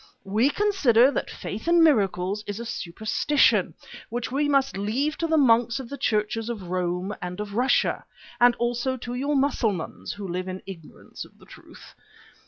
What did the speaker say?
We consider that faith in miracles is a superstition which we must leave to the monks of the Churches of Rome and of Russia, and also to your Mussulmans who live in ignorance of the truth.